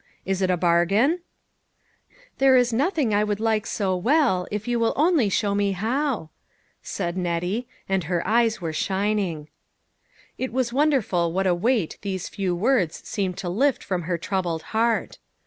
Is it a bargain ?"" There is nothing I would like so well, if you 82 LITTLE FISHERS : AND THEIR NETS. will only show me how," said Nettie, and her eyes were shining. It was wonderful what a weight these few words seemed to lift from her troubled heart.